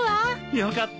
よかった。